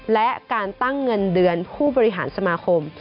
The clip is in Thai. และการตั้งเงินเดือนผู้บริหารสมาคม